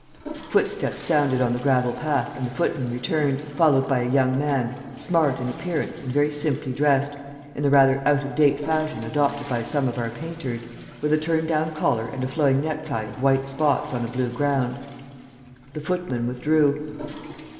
Footsteps sounded on the gravel path and the footman returned, followed by a young man, smart in appearance and very simply dressed, in the rather out of date fashion adopted by some of our painters, with a turn down collar and a flowing necktie of white spots on a blue ground. The footman withdrew.